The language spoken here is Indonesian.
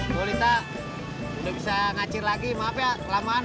bu lita udah bisa ngacir lagi maaf ya kelamaan